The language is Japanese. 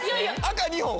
赤２本。